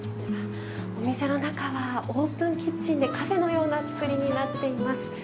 お店の中はオープンキッチンでカフェのようなつくりになっています。